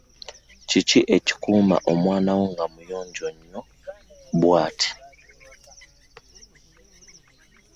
Kiki ekikuuma omwana wo nga muyonjo nnyo bwat?